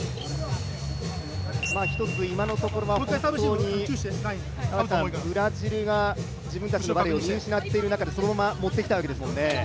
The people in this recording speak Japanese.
１つ、今のところは本当にブラジルが自分たちのバレーを見失っている中で、そのまま持っていきたいわけですもんね。